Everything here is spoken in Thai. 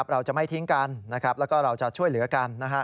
เราจะไม่ทิ้งกันแล้วก็เราจะช่วยเหลือกัน